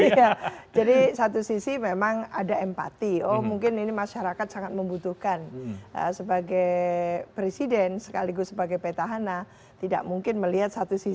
iya jadi satu sisi memang ada empati oh mungkin ini masyarakat sangat membutuhkan sebagai presiden sekaligus sebagai petahana tidak mungkin melihat satu sisi